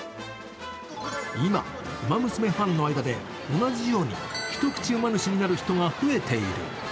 今、「ウマ娘」ファンの間で同じように一口馬主になる人が増えている。